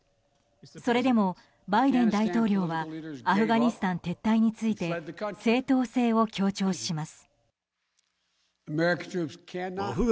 それでもバイデン大統領はアフガニスタン撤退について正当性を強調します。